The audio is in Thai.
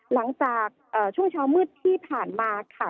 หลังจากช่วงเช้ามืดที่ผ่านมาค่ะ